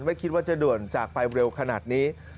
ไม่คิดว่าจะด่วนจากไปเร็วขนาดนี้